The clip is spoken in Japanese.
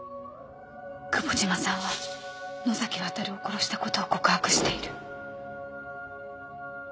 久保島さんは能崎亘を殺したことを告白している